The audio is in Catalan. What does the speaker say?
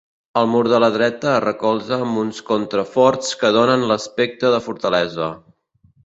El mur de la dreta es recolza amb uns contraforts que donen l'aspecte de fortalesa.